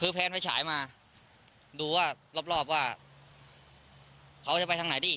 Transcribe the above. คือแพนไฟฉายมาดูว่ารอบว่าเขาจะไปทางไหนดี